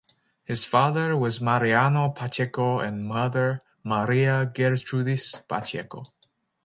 His father was Mariano Pacheco and mother Maria Gertrudis Pacheco.